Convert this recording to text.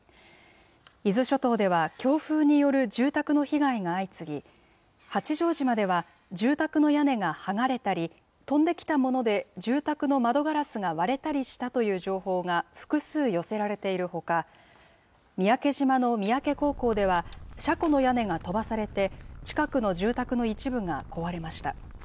伊豆諸島では強風による住宅の被害が相次ぎ、八丈島では住宅の屋根が剥がれたり、飛んできたもので住宅の窓ガラスが割れたりしたという情報が複数寄せられているほか、三宅島の三宅高校では、車庫の屋根が飛ばされて、近くの住宅の一部が壊れました。